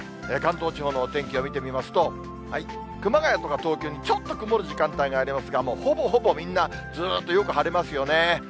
関東地方のお天気を見てみますと、熊谷とか東京に、ちょっと曇る時間帯がありますが、ほぼほぼみんな、ずっとよく晴れますよね。